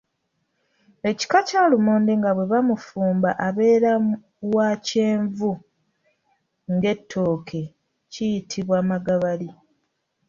Ekika kya lumonde nga bwe bamufumba abeera wa kyenvu ng’ettooke kiyitibwa magabali.